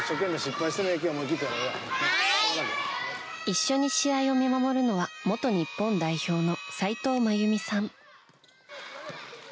一緒に試合を見守るのは元日本代表の斎藤真由美さん。